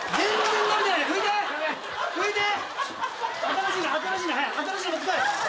新しいの。